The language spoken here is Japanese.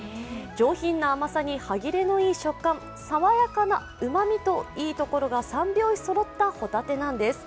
上品な甘さに歯切れのいい食感、さわやかなうまみといいところが三拍子そろったホタテなんです。